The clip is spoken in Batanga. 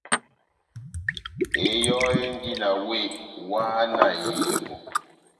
Eyɔ́ endi na wéh wáhá na ehevo.